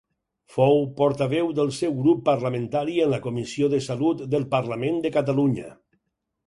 Fou portaveu del seu grup parlamentari en la Comissió de Salut del parlament de Catalunya.